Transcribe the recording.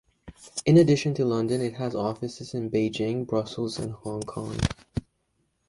In addition to London, it has offices in Beijing, Brussels and Hong Kong.